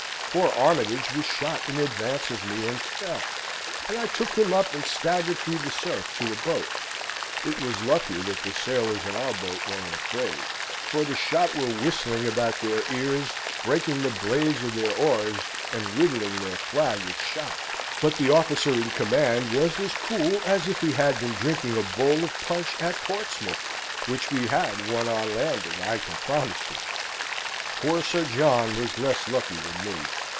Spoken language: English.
Poor Armytage was shot in advance of me, and fell; and I took him up and staggered through the surf to a boat. It was lucky that the sailors in our boat weren't afraid; for the shot were whistling about their ears, breaking the blades of their oars, and riddling their flag with shot; but the officer in command was as cool as if he had been drinking a bowl of punch at Portsmouth, which we had one on landing, I can promise you. Poor Sir John was less lucky than me.